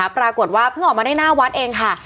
ปรากฏว่าเพิ่งออกมาได้หน้าวัดเองค่ะ